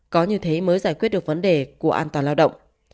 có như thế mới giải quyết được vấn đề của an toàn lao động